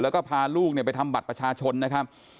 แล้วก็พาลูกไปทำบัตรประชาชนนะครับ